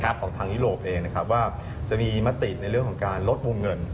ของทางยุโรปเองนะครับว่าจะมีมติในเรื่องของการลดวงเงิน